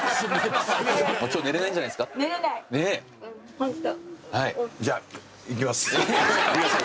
ホント。